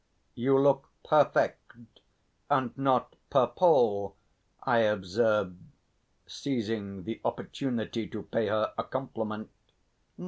"You look perfect, and not purple!" I observed, seizing the opportunity to pay her a compliment.